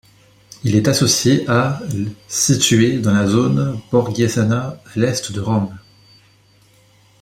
Il est associé à l' située dans la zone Borghesiana à l'est de Rome.